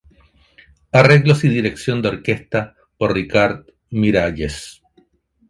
Arreglos y dirección de orquesta por Ricard Miralles.